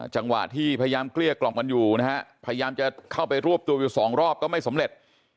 จังหวะที่พยายามเกลี้ยกล่อมกันอยู่นะฮะพยายามจะเข้าไปรวบตัวอยู่สองรอบก็ไม่สำเร็จ